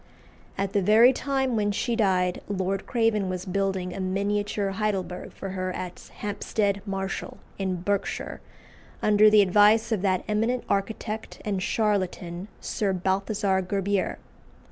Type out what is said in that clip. At the very time when she died Lord Craven was building a miniature Heidelberg for her at Hampstead Marshall, in Berkshire, under the advice of that eminent architect and charlatan, Sir Balthasar Gerbier.